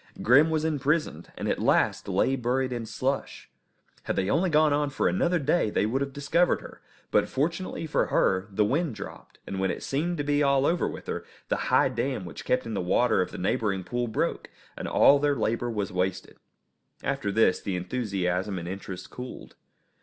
Grim was imprisoned, and at last lay buried in slush. Had they only gone on for another day they would have discovered her; but, fortunately for her, the wind dropped, and when it seemed to be all over with her, the high dam which kept in the water of the neighbouring pool broke, and all their labour was wasted. After this the enthusiasm and interest cooled.